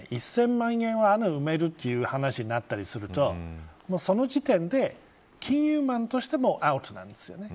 １０００万円を埋めるという話になったりするとその時点で金融マンとしてもアウトなんですよね。